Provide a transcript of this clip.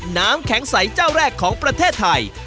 น้ำแข็งใสเจ้าแรกของประเทศไทย